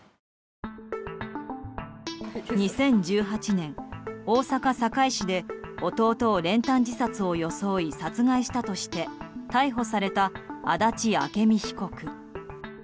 ２０１８年、大阪・堺市で弟を練炭自殺を装い殺害したとして逮捕された足立朱美被告。